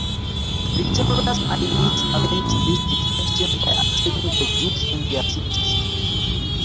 The victorious Idris avenged this defection by attacking the Jews in their cities.